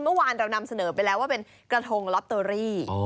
เมื่อวานเรานำเสนอไปแล้วว่าเป็นกระทงลอตเตอรี่